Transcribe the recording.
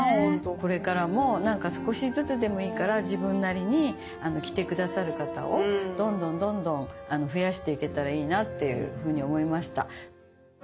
これからも何か少しずつでもいいから自分なりに着て下さる方をどんどんどんどん増やしていけたらいいなっていうふうに思いました。